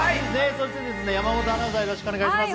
そして、山本アナウンサー、よろしくお願いします。